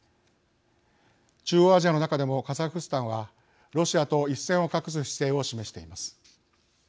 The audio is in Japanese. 中央アジアの中でもカザフスタンはロシアと一線を画す姿勢を示しています。